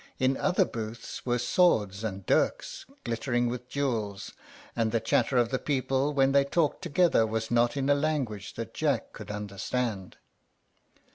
In other booths were swords and dirks, glittering with jewels; and the chatter of the people when they talked together was not in a language that Jack could understand.